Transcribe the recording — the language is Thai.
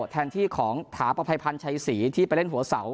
แทนที่ของถาปภัยพันธ์ชัยศรีที่ไปเล่นหัวเสา